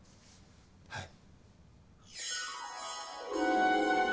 はい。